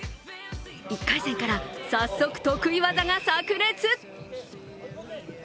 １回戦から早速得意技がさく裂。